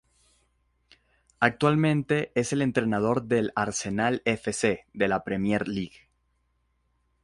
Actualmente es el entrenador del Arsenal F. C. de la Premier League.